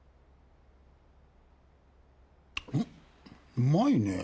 うまいねぇ。